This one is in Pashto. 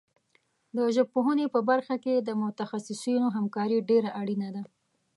د ژبپوهنې په برخه کې د متخصصینو همکاري ډېره اړینه ده.